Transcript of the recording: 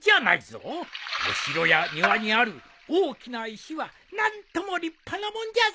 お城や庭にある大きな石は何とも立派な物じゃぞ！